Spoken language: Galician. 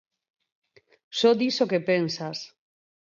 Só dis o que pensas.